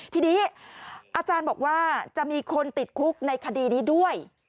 ทีนี้อาจารย์บอกว่าจะมีคนติดคุกในคดีนี้ด้วย